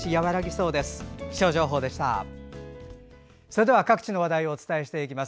それでは、各地の話題をお伝えしていきます。